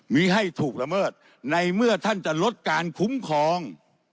มีให้ถูกละเมิดในเมื่อท่านจะลดการคุ้มครอง